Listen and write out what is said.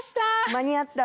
間に合った？